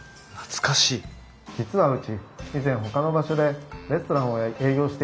実はうち以前ほかの場所でレストランを営業していたんです。